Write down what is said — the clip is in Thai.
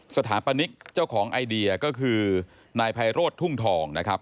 สถาปนิกเจ้าของไอเดียก็คือนายไพโรธทุ่งทองนะครับ